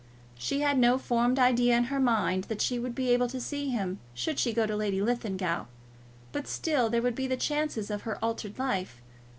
She had no formed idea in her own mind that she would be able to see him should she go to Lady Linlithgow, but still there would be the chances of her altered life!